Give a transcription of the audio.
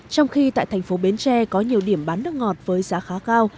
trong khi tại thành phố bến tre có nhiều điểm bán nước ngọt với giá khá cao